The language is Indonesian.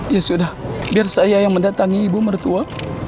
ya sudah biar saya yang mendatangi ibu mertua